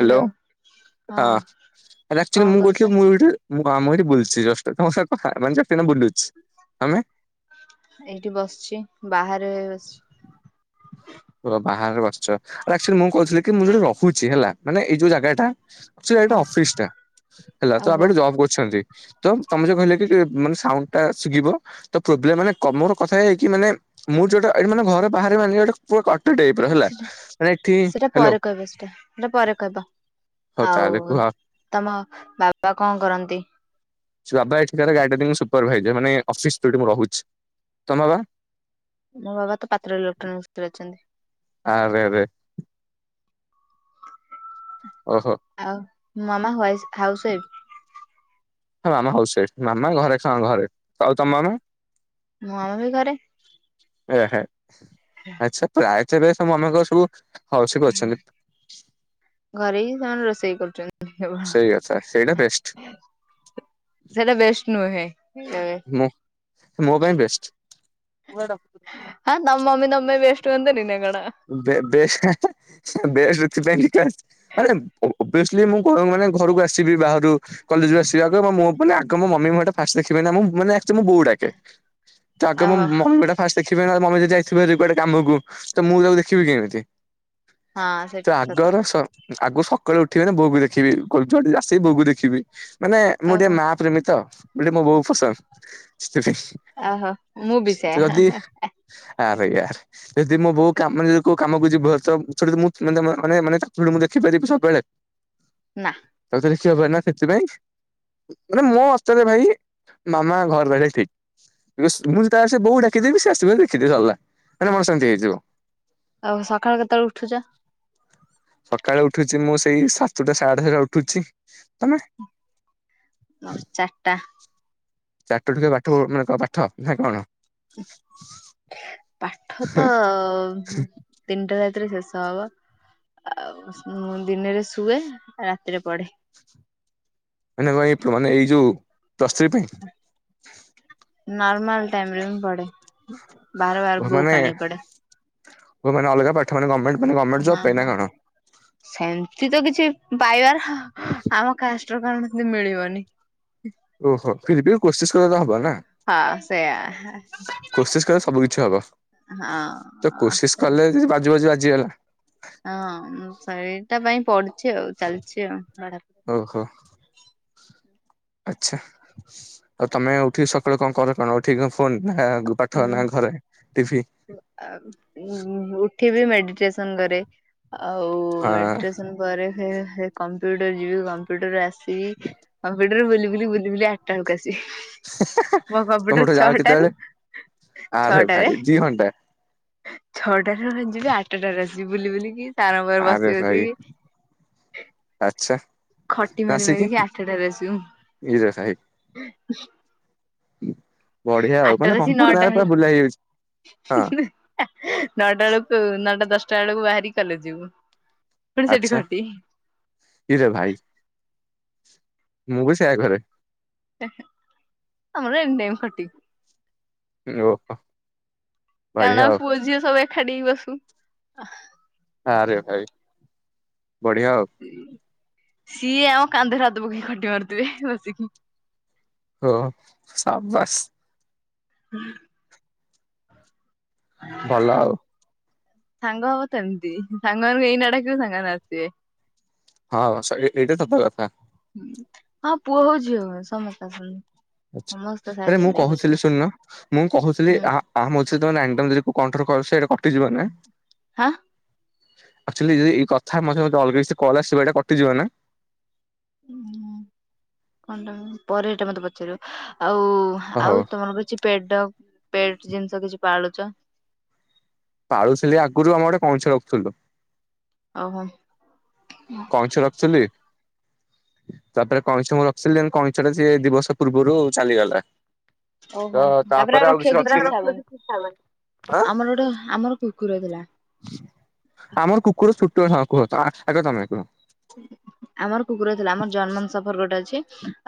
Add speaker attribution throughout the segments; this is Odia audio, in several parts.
Speaker 1: ହ୍ୟାଲୋ ହଁ ର ଆକ୍ଚୁଲି
Speaker 2: କଣ
Speaker 1: ମୁ
Speaker 2: କରୁଛ?
Speaker 1: କୋଉଥିଲି ମୁ ଗୋଟେ ମୁଁ ଆମ ଏଠି ବୁଲୁଛି ଜଷ୍ଟ ତମ ସାଙ୍ଗେ କଥା ମାନେ ସେତୁଲୁ ମୁ ବୁଲୁଛି ଆମେ
Speaker 2: ଏଇଠି ବସିଚି ବାହାରେ ବସିଚି।
Speaker 1: ବାହାରେ ବସିଚ ଆରେ ଆକ୍ଚୁଆଲି ମୁଁ କହୁଥିଲି କି ମୁଁ ଯୋଉଟି ଗପୁଚି ହେଲା ମାନେ ଏଇ ଯୋଉ ଜାଗା ଟା
Speaker 2: ହଁ
Speaker 1: ଟା ଅଫିସ ଟା ହେଲା ତ
Speaker 2: ଓହୋ
Speaker 1: ଆମେ ଏଠି ଜବ୍ କରୁଛନ୍ତି। ତ ତମେ ଯୋଉ କହିଲେ କି ମାନେ ସାଉଣ୍ଡ ଟା ଶିଗିବ। ତ ପ୍ରୋବଲେମ୍ ମାନେ କ ମୋର କଥା ହେଇକି ମାନେ ମୁଁ ଯୋଉଟା ଏଇ ମାନ ଘରେ ବାହାରେ ମାନେ ଗୋଟେ ପୁରା କଟ ଟାଇପ ର ହେଲା
Speaker 2: ସେଟା
Speaker 1: ମାନେ ଏଠି
Speaker 2: ସେଟା
Speaker 1: ହଲୋ
Speaker 2: ପରେ କହିବ ସେଟା ସେଟା ପରେ କହିବ
Speaker 1: ହଉ ତାହଲେ
Speaker 2: ଆଉ
Speaker 1: କୁହ।
Speaker 2: ତମ ବାବା କଣ କରନ୍ତି।
Speaker 1: ସେ ବାବା ଏଠି କାର ଗାର୍ଡେନ ସୁପରଭାଇଜର ମାନେ ଅଫିସ ତ ଯୋଉଠି ମୁଁ ରହୁଚି ତମ ବାବା।
Speaker 2: ମୋ ବାବା ତ ପାତ୍ର ଇଲେକ୍ଟ୍ରୋନିକ୍ସ ରେ ଅଛନ୍ତି।
Speaker 1: ହା ଏଵେ ଏଵେ ଓ ହୋ।
Speaker 2: ଆଉ ମାମା ୱଇସ ହାଉସ୍ ୱାଇଫ୍।
Speaker 1: ହ ମାମା ହାଉସ ୱାଇଫ ମାମା ଘରେ ଖାଁ ଘରେ ଆଉ ତମ ମାମା?
Speaker 2: ମୋ ମାମା ବି ଘରେ।
Speaker 1: ଆହ ଆଚ୍ଛା ଆ ସବୁ ଆମଙ୍କ ସବୁ ହାଉସ୍ ୱାଇଫ୍
Speaker 2: ଓ
Speaker 1: ଅଛନ୍ତି
Speaker 2: ଘରେ ହିଁ ସେମାନେ ରୋଷେଇ କରୁଛନ୍ତି।
Speaker 1: ସେଇ କଥା ସେଇଟା ବେଷ୍ଟ
Speaker 2: ସେଟା ବେଷ୍ଟ ନୁହେ କେବେ
Speaker 1: ମୁଁ ମୋ ପାଇଁ ବେଷ୍ଟ।
Speaker 2: ହଁ ତମ ମମି ତମ ପାଇଁ ବେଷ୍ଟୁ ହୁଅନ୍ତେ ନି ନା କଣ।
Speaker 1: ବେ ବେଷ୍ଟ ହେଁ ହେଁ ହେଁ ବେଷ୍ଟ ଏଥିପାଇଁ ବି ଫାଷ୍ଟ ମାନେ ଓବିଅସଲି ମୁଁ ଘର ମାନେ ଘରକୁ ଆସିବି ବାହାରୁ କଲେଜରୁ ଆସିବି ଆଗ ମୋ ମୋ ମାନେ ଆଗ ମୋ ମମି ମୁହଁଟା ଫାଷ୍ଟ ଦେଖିବି ନା ମୁଁ ମାନେ ଆକଚୋ ମୋ ବୋଉ ଡାକେ ତ ଆଗେ ମୋ
Speaker 2: ଓହୋ
Speaker 1: ମମିଟା ଫାଷ୍ଟ ଦେଖିବି ମମି ଯଦି ଯାଇଥିବ କୁଆଟେ କାମକୁ ତ ମୁଁ ତାକୁ ଦେଖିବି କେମିତି
Speaker 2: ହଁ
Speaker 1: ତ
Speaker 2: ସେଇଠି ସତ କଥା
Speaker 1: ଆଗର ସ ଆଗ ସକାଳେ ଉଠିବି ମାନେ ବୋଉକୁ ଦେଖିବି [unintelligible] ଆସିକି ବୋଉକୁ ଦେଖିବି। ମାନେ ମୁଁ ଟିକେ
Speaker 2: ଓହୋ
Speaker 1: ମା ପ୍ରେମୀ ତ [unintelligible] ମୋ ବହୁତ ପସନ୍ଦ ସେଥିପାଇଁ।
Speaker 2: ଓହୋ ମୁଁ ବି ସେୟା
Speaker 1: ଯଦି ଆ ଭାଇ ଆ ଯଦି ମୁଁ ବୋଉ କାମ ମାନେ କୋଉ କାମକୁ ଯିବ ତ ସେଠି ମୁଁ ମାନେ ମାନେ ତାକୁୁ ମୁଁ ଦେଖି ପାରିବି ସବୁବେଳେ
Speaker 2: ନା।
Speaker 1: [unintelligible] ହବ ନା ସେଥିପାଇଁ ମାନେ ମୋ ଅସ୍ତରେ ଭାଇ ମାମା ଘର ରହେବା ଠିକ। ୟେସ୍ ମୁଁ ଯେତେଳେ ଆସେ ବୋଉ ଡାକିଦେବି ସେ ଆସିବ ଦେଖିଦିଏ ସରିଲା କାରଣ ମୋର ସେମତି ହେଇଯିବ।
Speaker 2: ଆଉ ସକାଳ କେତେବେଳେ ଉଠୁଛ?
Speaker 1: ସକାଳେ ଉଠୁଛି ମୁଁ ସେଇ ସାତଟା ସାଢେ ସାତଟା ଉଠୁଛି ତମେ?
Speaker 2: [unintelligible] ଚାରିଟା।
Speaker 1: ଚାଟ ଟିକ ପାଠ ମାନେ ପାଠ ନା କଣ?
Speaker 2: ପାଠ ତ ତିନିଟା ରାତିରେ ଶେଷ ହବ? ଆଉ ମୁଁ ଦିନରେ ଶୁଏ ରାତିରେ ପଢେ।
Speaker 1: ମାନେ କଣ ଏଇ ମାନେ ଏଇ ଯୋଉ ପ୍ଲସଥ୍ରୀ ପାଇଁ।
Speaker 2: ନର୍ମାଲ ଟାଇମରେ ମୁଁ ପଡେ। ବାର ବାର
Speaker 1: ଓ ମାନେ
Speaker 2: ବୁକ୍ ଆଣିକି
Speaker 1: ମାନେ ଅଲଗା ପାଠ ମାନେ ଗମେଣ୍ଟ ଗମେଣ୍ଟ
Speaker 2: ହଁ
Speaker 1: ଜବ ପାଇ ନା
Speaker 2: ହଁ।
Speaker 1: କଣ?
Speaker 2: ସେମିତି ତ କିଛି ପାଇବାର ଆମ କାଷ୍ଟ [unintelligible] ମିଳିବନି।
Speaker 1: ଓହୋ ଫିରବି କୋଶିସ କର ତ ହବ ନା।
Speaker 2: ହଁ ସେଇଆ।
Speaker 1: କୋସିିସ କରେ ସବୁ କିଛି ହବ।
Speaker 2: ହଁ।
Speaker 1: ତ କୋସିିସ
Speaker 2: ସେ
Speaker 1: କଲେ ଯଦି ବାଜୁ ବାଜୁ ବାଜିଗଲା।
Speaker 2: ହଁ ସେଇଟା ପାଇଁ ପଡୁଛି ଆଉ ଚାଲିଛି ଆଉ।
Speaker 1: ଓହୋ। ଆଚ୍ଛା ଆଉ ତମେ ଉଠିକି ସକାଲୁ କଣ କର କଣ? ଠିକ କ ଫୋନ୍ ନା ପାଠ ନା ଘରେ ଟି ଭି
Speaker 2: ଆ ଉଁଠିବି ମେଡିଟେସନ କରେ ଆଉ
Speaker 1: ହଁ
Speaker 2: ମେଡିଟେସନ। ପରେ ହେ ହେ କମ୍ପ୍ୟୁଟର ଯିବି କମ୍ପ୍ୟୁଟର ଆସିବି। କମ୍ପ୍ୟୁଟରରୁ ବୁଲି ବୁଲି ବୁଲି ବୁଲି ଆଠଟା ବେଳକୁ ଆସିବି ମୋ
Speaker 1: ତମେ
Speaker 2: କମ୍ପ୍ୟୁଟର
Speaker 1: ଉଠ ଯାଅ
Speaker 2: ଛଅଟାରୁ।
Speaker 1: କେତେବେଳେ ଆରେ ଭାଇ ଜୀଅଣ୍ଟା।
Speaker 2: ଛଅଟାରେ ଯିବି ଆଠଟାରେ ଆସିବି ବୁଲି ବୁଲିକି। ସାରଙ୍କ ପାଖରେ ବସି
Speaker 1: ଆରେ ଭାଇ
Speaker 2: ବସିକି
Speaker 1: ଆଚ୍ଛା।
Speaker 2: ଖଟି ମାରି
Speaker 1: ଆସିକି
Speaker 2: ମାରିକି ଆଠଟାରେ
Speaker 1: ଇରେ ଭାଇ
Speaker 2: ଆସିବୁ।
Speaker 1: ବଢିଆ ଆଉ ମାନେ
Speaker 2: ଆଠଟାର ଆସି
Speaker 1: କମ୍ପ୍ୟୁଟର
Speaker 2: ନଅଟା
Speaker 1: ପୁରା
Speaker 2: ହେଲ
Speaker 1: ବୁଲା ହେଇଯାଉଛି ହଁ
Speaker 2: [unintelligible] ନଅଟା ବେଳକୁ ନଅଟା ଦଶଟା ବେଳକୁ ବାହାରିକି କଲେଜ ଯିବୁ। ପୁଣି ସେଠି
Speaker 1: ଆଚ୍ଛା,
Speaker 2: ଖଟି।
Speaker 1: କିରେ ଭାଇ ମୁଁ ବି ସେଇୟା କରେ।
Speaker 2: ଆମର ଏନି ଟାଇମ୍ ଖଟି।
Speaker 1: [unintelligible] ବଢିଆ
Speaker 2: କାରଣ
Speaker 1: ଆଉ
Speaker 2: ଆମେ ପୁଅ ଝିଅ ସବୁ ଏକାଠି ହେଇ ବସୁ।
Speaker 1: ଆରେ ଭାଇ, ବଢିଆ ଆଉ।
Speaker 2: ସିଏ ଆମ କାନ୍ଧରେ ହାତ ପକେଇ ଖଟି ମାରୁଥିବେ ବସିକି।
Speaker 1: ହୋ ସାବାସ୍।
Speaker 2: ହୁଁ।
Speaker 1: ଭଲ ଆଉ।
Speaker 2: ସାଙ୍ଗ ହବ ତ ଏମିତି, ସାଙ୍ଗମାନଙ୍କୁ ଏଇନା ଡାକିବ ସାଙ୍ଗମାନେ ଆସିବେ।
Speaker 1: ହଁ ସ ଏଇଟା ସତ କଥା।
Speaker 2: ହଁ ପୁଅ ହଉ ଝିଅ ହେଉ ସମସ୍ତେ ଆସନ୍ତି।
Speaker 1: ଆଛା,
Speaker 2: ସମସ୍ତେ
Speaker 1: ଆରେ
Speaker 2: ସାହାଯ୍ୟ
Speaker 1: ମୁଁ
Speaker 2: କରିବାକୁ ଆସିବେ।
Speaker 1: କହୁଥିଲି ଶୁଣୁନ ମୁଁ କହୁଥିଲି
Speaker 2: ହୁଁ
Speaker 1: ଆହା ଆମ [unintelligible] କଣ୍ଟ୍ରୋଲ କର ସେଟା କଟିଯିବ ନା।
Speaker 2: ହାଁ?
Speaker 1: ଆକ୍ଚୁଆଲି ଯଦି ଏଇ କଥା ମଝିରେ ଯଦି ଅଲଗା କିଛିଟା କଲ୍ ଆସିବ ଏଇଟା କଟିଯିବ ନା?
Speaker 2: କଣଟା ପରେ ଏଇଟା ମତେ ପଚାରିବ, ଆଉ
Speaker 1: ହଉ
Speaker 2: ଆଉ ତମର କିଛି ପେଟ୍ ଡଗ୍ ପେଟ୍ ଜିନିଷ କିଛି ପାଳୁଛ?
Speaker 1: ପାଳୁଥିଲି ଆଗରୁ ଆମର ଗୋଟେ କଇଁଛ ରଖୁଥିଲୁ।
Speaker 2: ଓହୋଃ।
Speaker 1: କଇଁଛ ରଖିଥିଲି। ତାପରେ କଇଁଛ ମୁଁ ରଖିଥିଲି ଯେ କଇଁଛଟା ସିଏ ଦି ବର୍ଷ ପୂର୍ବରୁ ଚାଲିଗଲା। ତ ତାପରେ ଆଉ କିଛି ରଖିନି, ଆଁ?
Speaker 2: [unintelligible] ଗୋଟ ଆମର କୁକୁର ଥିଲା।
Speaker 1: ଆମର କୁକୁର ଛୋଟ ହଁ କୁହ ଆଗ ତମେ କୁହ।
Speaker 2: ଆମର କୁକୁର ଥିଲା ଆମର ଜର୍ମାନ୍ ସଫର ଗୋଟେ ଅଛି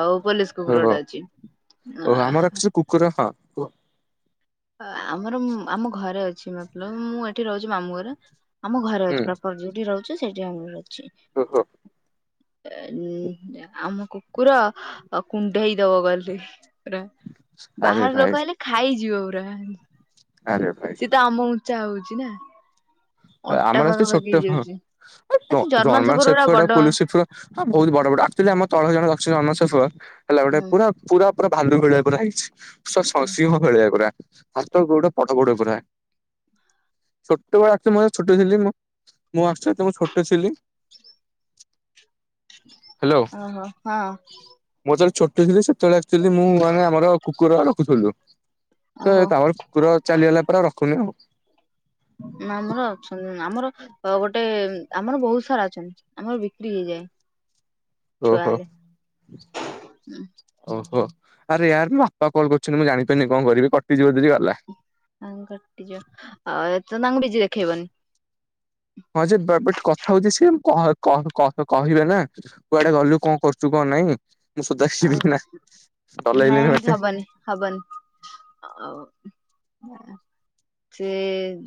Speaker 2: ଆଉ ପୋଲିସ୍ କୁକୁର
Speaker 1: ଓହୋ
Speaker 2: ଗୋଟେ ଅଛି ଆ
Speaker 1: ଓହୋ ଆମର
Speaker 2: ହା
Speaker 1: ଆକ୍ଚୁଆଲି କୁକୁର ହଁ।
Speaker 2: ଆମର ଆମ ଘରେ ଅଛି ମତଲବ୍ ମୁଁ ଏଠି ରହୁଛି ମାମୁଁ ଘରେ। ଆମ ଘରେ ଅଛି
Speaker 1: ହୁଁ
Speaker 2: ପ୍ରପର ଯୋଉଠି ରହୁଛି ସେଇଠି ଆମର ଅଛି।
Speaker 1: ଓହୋଃ।
Speaker 2: ଆମ କୁକୁର କୁଣ୍ଢେଇ ଦବ ଗଲେ। ପୁରା
Speaker 1: ଆରେ
Speaker 2: ବାହାର
Speaker 1: ଭାଇ
Speaker 2: ଲୋକ ଆଇଲେ ଖାଇଯିବ ପୁରା।
Speaker 1: ଆରେ ଭାଇ।
Speaker 2: ସିଏ ତ ଆମ ଉଁଚ୍ଚା ହଉଚି ନା।
Speaker 1: ତ
Speaker 2: ଅଣ୍ଟା
Speaker 1: ଆମର ଅଛି ଟିକେ
Speaker 2: ପାଖାପାଖି
Speaker 1: ଛୋଟ ହଁ
Speaker 2: ହେଇଯାଉଛି ଆ ସେ
Speaker 1: ଅ ଜର୍ମାନ
Speaker 2: ସଫର ଗୁଡା
Speaker 1: ଶେଫର୍ଡ ଆଉ
Speaker 2: ବଡ
Speaker 1: ପୋଲିସ ଶେଫର ହଁ ବହୁତ ବଡ ବଡ ଆକ୍ଚୁଆଲି ଆମ ତଳ ଜଣେ ରଖିଛନ୍ତି ଜର୍ମାନ୍ ଶେଫର୍ଡ ହେଲା ଗୋଟେ
Speaker 2: ହୁଁ।
Speaker 1: ପୁରା ପୁରା ପୁରା ଭାଲୁ ଭଳିଆ ପୁରା ହେଇଛି ସ ସିଂହ ଭଳିଆ ପୁରା। ହାତ ଗୋଡ଼ ବଡ଼ ବଡ଼ ପୁରା, ଛୋଟ ତ ମୁଁ [unintelligible] ଛୋଟ ଥିଲି ମୁଁ, ମୁଁ ଆକ୍ଚୁଆଲି ସେତେବେଳେ ମୁଁ ଛୋଟ ଥିଲି ହ୍ୟାଲୋ
Speaker 2: ଓହୋଃ, ହଁ।
Speaker 1: ମୁଁ ଯେତେବେଳେ ଛୋଟ ଥିଲି ସେତେବେଳେ ଆକ୍ଚୁଆଲି ମୁଁ ମାନେ ଆମର କୁକୁର ରଖୁଥିଲୁ। ତ
Speaker 2: ଓହୋ
Speaker 1: ତାପରେ କୁକୁର ଚାଲିଗଲା ପରେ ଆଉ ରଖୁନି ଆଉ।
Speaker 2: ନା ଆମର ଅଛନ୍ତି ଆମର ଗୋଟେ ଆମର ବହୁତ ସାରା ଅଛନ୍ତି, ଆମର ବିକ୍ରି ହେଇଯାଏ। ଛୁଆ
Speaker 1: ଓହୋଃ।
Speaker 2: ହେଲେ।
Speaker 1: ଓହୋଃ, ଆରେ ୟାର୍ ମୋ ବାପା କଲ୍ କରୁଛନ୍ତି ମୁଁ ଜାଣିପାରିନି କଣ କରିବି କଟିଯିବ ଯଦି ଗଲା।
Speaker 2: ହଁ କଟିଯିବ ଆଉ ଏ ତ ତାଙ୍କୁ ବିଜି ଦେଖେଇବନି।
Speaker 1: ହଁ ଯେ ବଟ୍ କଥା ହଉଛି ସିଏ କ-କ-କ-କହିବେ ନା। କୁଆଡେ ଗଲୁ କଣ କରୁଛୁ କଣ ନାଇଁ ମୁଁ ସୋଧା ଶୁଣିବି
Speaker 2: ଆଉ
Speaker 1: ଏଇନା ଡର
Speaker 2: ନାଇଁ
Speaker 1: ଲାଗିଲାଣି
Speaker 2: ଏମିତି
Speaker 1: ମତେ।
Speaker 2: ହବନି ହବନି ଆ ସେ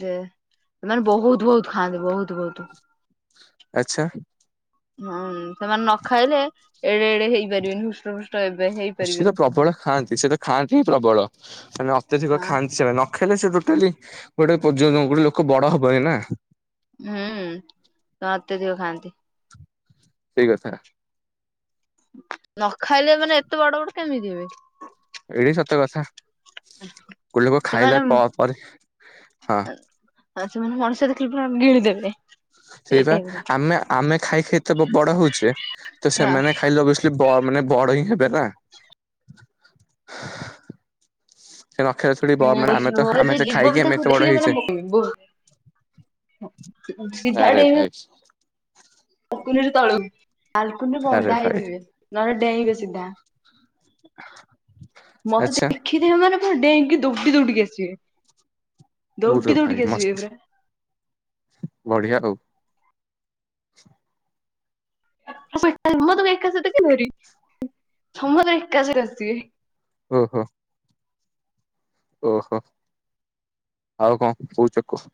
Speaker 2: ଯେ ସେମାନେ ବହୁତ ବହୁତ ଖାଆନ୍ତି ବହୁତ ବହୁତ।
Speaker 1: ଆଚ୍ଛା?
Speaker 2: ହୁଁ ସେମାନେ ନ ଖାଇଲେ ଏଡେ ଏଡେ ହେଇପାରିବେନି ହୃଷ୍ଟ ଫୃଷ୍ଟ ହେବେ ହେଇ
Speaker 1: ସିଏ ତ ପ୍ରବଳ ଖାଆନ୍ତି ସିଏ ତ ଖାଆନ୍ତି ହିଁ ପ୍ରବଳ ସେମାନେ ଅତ୍ୟଧିକ
Speaker 2: ହଁ
Speaker 1: ଖାଆନ୍ତି ସେମାନେ ନ ଖାଇଲେ ସେ ଟୋଟାଲି ଗୋଟେ ବୋଜ ଗୋଟେ ଲୋକ ବଡ ହବନି ନା।
Speaker 2: ହୁଁ ତ ଅତ୍ୟଧିକ ଖାଆନ୍ତି।
Speaker 1: ସେଇ କଥା।
Speaker 2: ନ ଖାଇଲେ ମାନେ ଏତେ ବଡ ବଡ କେମିତି ଯିବେ?
Speaker 1: ଏଇଠି ସତ କଥା ଗୋଲୋକ
Speaker 2: ସେମାନେ
Speaker 1: ଖାଇଲେ ପରେ ହଁ।
Speaker 2: ଆଉ ସେମାନେ ମଣିଷ ଦେଖିଲ ପୁର ଗିଳିଦେବେ। ସେଇ
Speaker 1: ସେଇପ
Speaker 2: ଟାଇପର
Speaker 1: ଆମେ ଆମେ ଖାଇକ ଏତେ ବଡ ହଉଛେ ତ ସେମାନେ ଖାଇଲେ ସେମାନେ ବ ବଡ ହିଁ ହେବେ ନା। ସେ ନ ଖାଇଲେ ଥୋଡି ମାନେ ଆମେ ତ ଆମେ ତ
Speaker 2: ଯୀବ
Speaker 1: ଖାଇକି
Speaker 2: ବି
Speaker 1: ଆମେ ଏତେ
Speaker 2: ତାକୁ
Speaker 1: ବଡ
Speaker 2: ଦେଖିଲି
Speaker 1: ହେଇଛେ
Speaker 2: ମାନେ ସିଧା ଡେଇଁବି
Speaker 1: ଆଚ୍ଛା।
Speaker 2: ଆଲକୁନିରେ ତଳ ବାଲକୁନିରେ
Speaker 1: ଆରେ
Speaker 2: ବନ୍ଧା
Speaker 1: ଭାଇ
Speaker 2: ହେଇଥିବେ ନହେଲେ ଡେଇଁବେ ସିଧା। ମତେ
Speaker 1: ଆଚ୍ଛା
Speaker 2: ଦେଖିଦ ମାନେ ପୁର ଡେଙ୍କି ଦୌଡି ଦୌଡିକି ଆସିବେ।
Speaker 1: ପୁରା
Speaker 2: ଦୌଡି
Speaker 1: ଭାଇ
Speaker 2: ଦୌଡି ଆସିବି
Speaker 1: ମସ୍ତ
Speaker 2: ଏ ପୁରା
Speaker 1: ବଢିଆ ଆଉ।
Speaker 2: ତ ଏକା ସତ କେ ଧରି ତ ତ ଏକା ସରେ ଆସିବେ।
Speaker 1: ହୁଁ ହୁଁ। ଓହୋ ଆଉ କଣ କହଉଚି କୁହ।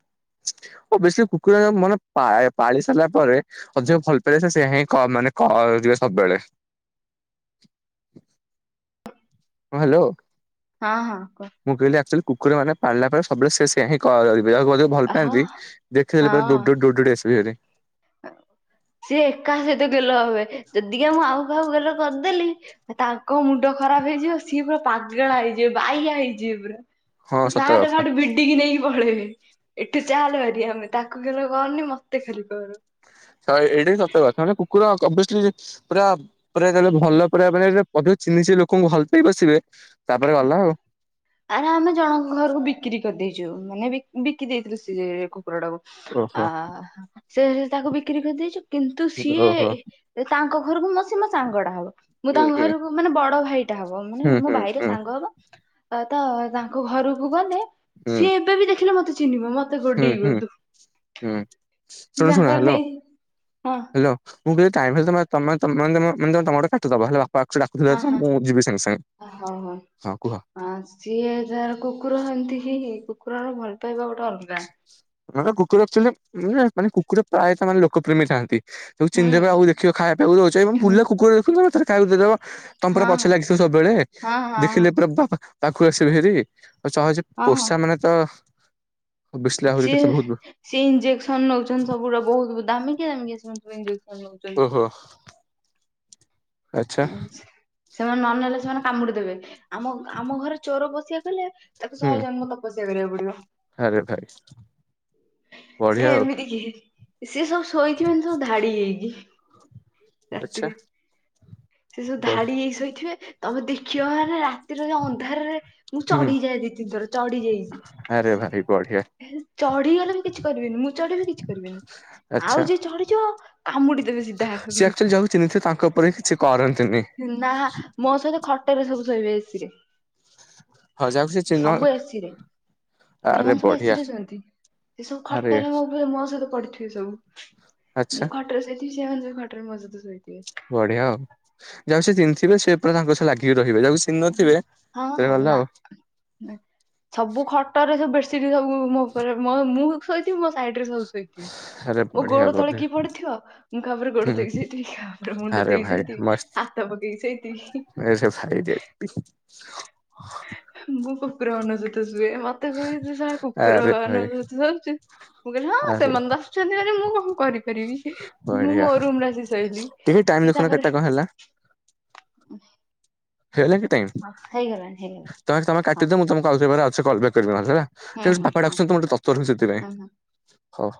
Speaker 1: ଓ ବେଶୀ କୁକୁର ମାନେ ପା-ପାଳି ସାରିଲା ପରେ। ଅଧିକ ଭଲ ପାଇେ ସେ ସୋ ହିଁ ମାନେ କିବେ ସବୁବେଳେ। ହଁ ହ୍ୟାଲୋ।
Speaker 2: ହଁ ହଁ।
Speaker 1: ମୁଁ କହିଲି ଆକ୍ଚୁଲି କକୁରାନେଳିଲା ପରେ ସବୁଳେ ସେଆ ହଁ ବେ ଆଉ ଭଲ
Speaker 2: ହଁ
Speaker 1: ପାଆନ୍ତି ଦେଖିେଲେ
Speaker 2: ହଁ
Speaker 1: ପଡୋଡି ଆସିବି ଭାରି।
Speaker 2: ସିଏ ଏକା ସହିତ ଗେଲ ହଏ ଯଦିକ ମୁଁ ଆଉ କାହାକୁ ଗେଲ କରିଦେଲି ତାଙ୍କ ମୁଣ୍ଡ ଖରାପ ହେଇଯିବ ସିଏ ପୁରା ପାଗଳା ହେଇଯିବ ବାଇଆ ହେଇଯିବ ପୁରା।
Speaker 1: ହଁ
Speaker 2: ତ
Speaker 1: ସତ
Speaker 2: ସାଠ
Speaker 1: କଥା
Speaker 2: ଖାଠି ବି ଏଟିକି ନେଇକି ପଳେଇବେ ଏଠୁ ଚାଲ ବାର ଆମେ ତାକୁଲ କରନି ମତେ ଖାଲି କର।
Speaker 1: ହ ଏଇଟା ସତ କଥା [unintelligible] ମାନେ କୁକୁରଲି ପୁରା ପୁରା ତାଲେ ଭଲ ପୁରା ମାନେ ଚିହ୍ନିି ଲୋକଙ୍କୁ ଭଲ ପାଇ ବସିବେ ତାପରେ ଗଲା ଆଉ।
Speaker 2: ଆରେ ଆମେ ଜଣଙ୍କ ଘରକୁ ବିକ୍ରି କରିଦେଇଛୁ ମାନେ ବିକି ଦେଇଥିଲୁ ସେ କୁକୁର ଟାକୁ। ଆ
Speaker 1: ଓହୋ
Speaker 2: ସେ ତାକୁ ବିକ୍ରି କରିଦେଇଛ କିନ୍ତୁ ସିଏ
Speaker 1: ଓହୋ
Speaker 2: ତାଙ୍କ ଘରକୁ ମସିି ମୋ ସାଙ୍ଗ ଟା ହବ ମୁଁ
Speaker 1: ହୁଁ
Speaker 2: ତାଙ୍କ
Speaker 1: ହୁଁ
Speaker 2: ଘରକୁ ମାନେ ବଡ ଭାଇଟା ହବ ମାନେ
Speaker 1: ହୁଁ
Speaker 2: ମୋ
Speaker 1: ହୁଁ
Speaker 2: ଭାଇରେ।
Speaker 1: ହୁଁ
Speaker 2: ତ ତାଙ୍କ ଘରକୁ ଗଲେ
Speaker 1: ହୁଁ
Speaker 2: ସିଏ ଏବେ ବି ଦେଖିଲେ ମତେ ଚିହ୍ନିବ ମତେ।
Speaker 1: ହୁଁ
Speaker 2: ଗୋଡେଇବ
Speaker 1: ହୁଁ
Speaker 2: ତୁ
Speaker 1: ହୁଁ
Speaker 2: ସେ
Speaker 1: ଶଟ ଶୁଣ
Speaker 2: ତାଙ୍କର
Speaker 1: ହ୍ୟାଲୋ
Speaker 2: ନେଇ ହଁ
Speaker 1: ହ୍ୟାଲୋ। ମୁଁ ଟାଇ ହେ ତମେ-ମରୋଟ ଦବ ହେଲା। ପାଖରେ ଡାକୁଥିଲା
Speaker 2: ହଁ
Speaker 1: ତ
Speaker 2: ହଁ।
Speaker 1: ମୁଁ ଯିବି ସାଙ୍ଗେ ସାଙ୍ଗେ ହଁ କୁହ।
Speaker 2: ଆଁ ସିଏ ଯାାର କୁକୁର ହନ୍ତି କି କୁକୁରର ଭଲ ପାଇବା ଗୋଟେ ଅଲ।
Speaker 1: ମ କୁକୁରଚୁଆଲି ମାନେ କୁକୁର ପ୍ରାୟତଃ ମାନେ ଲୋକପ୍ରିୟମ ଥାଆନ୍ତି। ତାବ
Speaker 2: ହୁଁ
Speaker 1: ଚିହ୍ିିବାବା ଆ ଦେଖ ଖବାକୁ ରଉଛ ଏବଂ ଫୁ
Speaker 2: ହୁଁ
Speaker 1: କୁକୁର ଦେଖୁ ଖାଇକୁ ଦେବା। ତମ ପରା
Speaker 2: ହଁ ହଁ
Speaker 1: ପଛେ ଲାଗିଥିବ ସବୁବେଳେ
Speaker 2: ହଁ ହଁ
Speaker 1: ଦେଖିଲେ ପ ବା ପାଖକୁ ଆସିବି ହେରି ଆଉ ଚାହଛି। ପୋଷା ମାନେ ତ। ଅବିଅସଲି ଆହୁରି କେତେ
Speaker 2: ଯିଏ।
Speaker 1: ବହୁତ
Speaker 2: ସେ ଇଞ୍ଜେସନ ନଉଛନ୍ତି ସବୁା ବହୁତ ଦାମିକି ଦିୁ ଇଞଜେସନ ନଉଛନ୍ତି।
Speaker 1: ଓହୋ। ଆଚ୍ଛା
Speaker 2: ସେମାନେ ନ ନେଲେ ସେମାନେ କାମୁଡିଦେବେ ଆମ ଆମ ଘରେ ଚୋର ପଶିଯାଉଥିଲେ। ତାକୁ ଶହେ
Speaker 1: ହୁଁ।
Speaker 2: ଜନ୍ମ ତପସ୍ୟା କରିବାକୁ ପଡିବ।
Speaker 1: ଆରେ ଭାଇ
Speaker 2: ସେ
Speaker 1: ବଢିଆ ଆଉ
Speaker 2: ଏମିତି କି ସିଏ ସବୁ ଶୋଇଥିବ ସବୁ ଧାଡି ହେଇକି
Speaker 1: ଆଛା।
Speaker 2: ରାତିରେ ସେ ସବୁ ଧାଡି ହେଇ ସୋଇଥିବେ ତମେ ଦେଖିବ ମାନେ ରା ଅନ୍ଧାରରେ ମୁଁ
Speaker 1: ହୁଁ
Speaker 2: ଚଢିଯାଏ ଦିଇ ତିନିଥର ଚଢି
Speaker 1: ଆରେ ଭାଇ ବଢିଆ
Speaker 2: ଯାଇଚି। ଚଢିଗଲେ ବି କିଛି କରିବିନି ମୁଁ ଚଢିବି କିଛି କରିବିନି।
Speaker 1: ଆଚ୍ଛା।
Speaker 2: ଆଉ ଯିଏ ଚଢିଯିବ କାମୁଡିଦେବେ ସିଧା ଗୋଡକୁ।
Speaker 1: ଚିନିତି ତାଙ୍କ ଉପରେ କିଛି କରନ୍ତିନି।
Speaker 2: ନା ମୋ ସହିତ ଖଟରେ ସବୁ ଶୋଇବେ।
Speaker 1: ହଁ ଯାହାକୁ ସେ ଚିହ୍ନ
Speaker 2: ସବୁ ଏସି ରେ
Speaker 1: ଆରେ
Speaker 2: ଏମାନେ ସବୁ
Speaker 1: ବଢିଆ
Speaker 2: ଏସିରେ ସୁଅନ୍ତି, ଏ ସବୁ
Speaker 1: ଆରେ
Speaker 2: ଖଟରେ ମୋ ଉପରେ ମୋ ସହିତ ପଡିିଥିବେ ସବୁ।
Speaker 1: ଆଚ୍ଛା
Speaker 2: ମୁଁ ଖଟରେ ଶୋଇଥିବି ସେମାନେ ସବୁ ଖଟରେ ମୋ ସହିତ ଶୋଇଥିବେ।
Speaker 1: ବଢିଆ ଆଉ, ଯାହାକୁ ସେ ଚିହ୍ନିଥିବେ ସେ ପୁରା ତାଙ୍କ ସହ ଲାଗିକି ରହିବେ, ଯାଉ ସେ ଚିହ୍ନି ନଥିବେ
Speaker 2: ହଁ ହଁ
Speaker 1: ସେମା
Speaker 2: ନା
Speaker 1: ଆଉ
Speaker 2: ସବୁ ଖଟରେ ସବୁ ବେଡ୍ସିଟ ସବୁ ମୋ ଉପରେ ମୋ ମୁଁ ଶୋଇଥିବି ମୋ ସାଇଡ ରେ ସବୁ ସେ କିିଏ?
Speaker 1: ଆରେ
Speaker 2: ମୋ
Speaker 1: ବଢିଆ
Speaker 2: ଗୋଡ ତଳେ
Speaker 1: ବଢିଆ
Speaker 2: କିଏ ପଡିଥିବ, ମୁଁ କାହା ଉପରେ ଗୋଡ
Speaker 1: ହୁଁ
Speaker 2: ଥୋଇକି ଶୋଇଥିବି, କାହା ଉପରେ ମୁଣ୍ଡ
Speaker 1: ଆରେ
Speaker 2: ଥୋଇକି
Speaker 1: ଭାଇ
Speaker 2: ଶୋଇଥିବି। ହାତ ପକେଇକି ଶୋଇଥିବି।
Speaker 1: ସେ ଭାଇ [unintelligible]
Speaker 2: ମୁଁ ମୋ କୁକୁର ମାନଙ୍କ ସହିତ ଶୁଏ। ମୋ ମତେ କହିଲେ ଶଳା କୁକୁର
Speaker 1: ଆରେ ଭାଇ
Speaker 2: ମାନଙ୍କ ସହିତ ଶୁଉଚୁ ମୁଁ କହିଲି ହଁ
Speaker 1: ଆରେ
Speaker 2: ସେମାନେ ତ ଛନ୍ତି ମାନେ ମୁଁ କଣ କରିପାରିବି? ମୁଁ
Speaker 1: ବଢିଆ
Speaker 2: ମୋ ରୁମ ରେ ଆସି ଶୋଇଲି।
Speaker 1: ଟିକେ ଟାଇମ
Speaker 2: ସିଏ
Speaker 1: ଦେଖୁନ
Speaker 2: ତାଙ୍କର
Speaker 1: କେତେଟା [unintelligible]
Speaker 2: ହଁ ହେଇଗଲାଣି ହେଇଗଲାଣି।
Speaker 1: ତମେ ତମେ
Speaker 2: ହଁ
Speaker 1: କାଟିଦିଅ ମୁଁ ତମକୁ ଆଉ ଟିକେ ପରେ ଆଉଥରେ କଲ୍ ବ୍ୟାକ କରିବି ହେଲା।
Speaker 2: ହୁଁ
Speaker 1: ସେ
Speaker 2: ହୁଁ
Speaker 1: ବାପା
Speaker 2: ହୁଁ
Speaker 1: ଡାକୁଛନ୍ତି ମୁଁ ତର୍ ତର୍ ହେଉଚି ସେଥିପାଇଁ।
Speaker 2: ହୁଁ ହୁଁ।
Speaker 1: ହଁ।